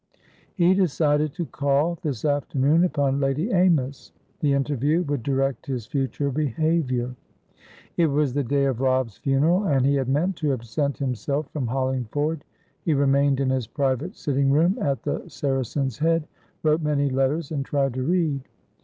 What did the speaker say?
He decided to call, this afternoon, upon Lady Amys. The interview would direct his future behaviour. It was the day of Robb's funeral, and he had meant to absent himself from Hollingford. He remained in his private sitting room at the Saracen's Head, wrote many letters, and tried to read.